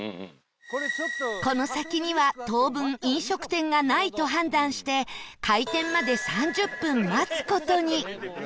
この先には当分飲食店がないと判断して開店まで３０分待つ事に